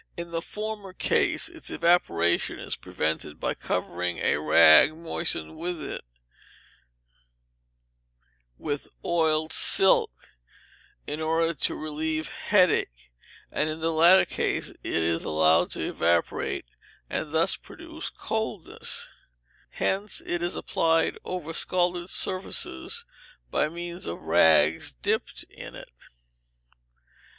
In the former case its evaporation is prevented by covering a rag moistened with it with oiled silk, in order to relieve headache; and in the latter case it is allowed to evaporate, and thus produce coldness: hence it is applied over scalded surfaces by means of rags dipped in it.